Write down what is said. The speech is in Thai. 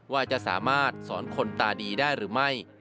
ว่าจะสามารถสอนคนตาดีได้หรือไม่